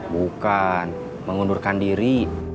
bukan mengundurkan diri